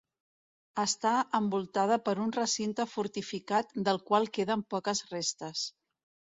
Està envoltada per un recinte fortificat del qual queden poques restes.